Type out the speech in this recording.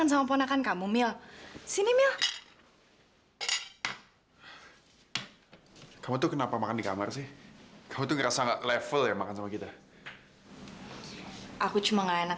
sampai jumpa di video selanjutnya